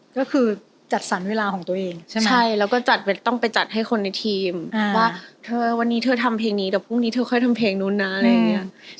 ก็คือจัดสรรเวลาของตัวเองใช่ไหมใช่แล้วก็จัดต้องไปจัดให้คนในทีมว่าเธอวันนี้เธอทำเพลงนี้เดี๋ยวพรุ่งนี้เธอค่อยทำเพลงนู้นนะอะไรอย่างนี้